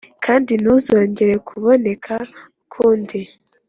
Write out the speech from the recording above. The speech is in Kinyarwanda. kandi ntuzongera kuboneka ukundi.